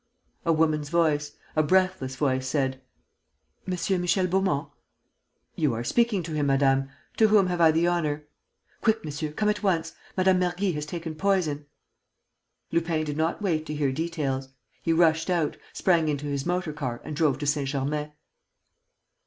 A woman's voice, a breathless voice, said: "M. Michel Beaumont?" "You are speaking to him, madame. To whom have I the honour...." "Quick, monsieur, come at once; Madame Mergy has taken poison." Lupin did not wait to hear details. He rushed out, sprang into his motor car and drove to Saint Germain.